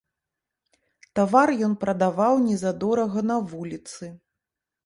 Тавар ён прадаваў незадорага на вуліцы.